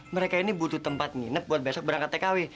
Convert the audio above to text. mereka ini butuh tempat nginep buat besok berangkat tkw